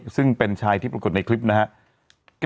ซึ่งเป็นชายที่ปรากฏในคลิปนะครับ